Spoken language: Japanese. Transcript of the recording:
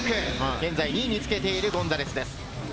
現在２位につけているゴンザレスです。